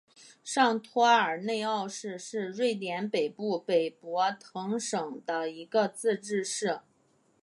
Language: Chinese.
上托尔内奥市是瑞典北部北博滕省的一个自治市。